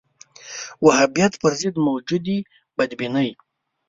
وهابیت پر ضد موجودې بدبینۍ